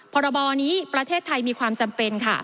พรบนี้ประเทศไทยมีความจำเป็นค่ะ